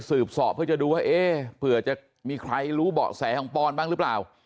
สอบเพื่อจะดูว่าเอ๊ะเผื่อจะมีใครรู้เบาะแสของปอนบ้างหรือเปล่า